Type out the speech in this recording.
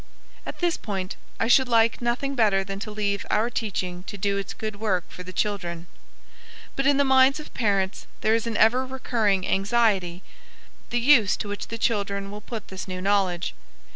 At this point I should like nothing better than to leave our teaching to do its own good work for the children. But in the minds of parents there is an ever recurring anxiety the use to which the children will put this new knowledge.